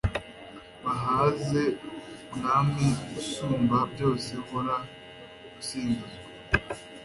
mbahaze mwami usumba byose hora usingizwa